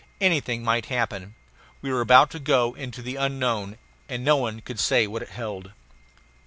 Anything might happen. We were about to go into the unknown, and no one could say what it held.